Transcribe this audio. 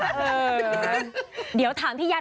เนียบเนียนมาก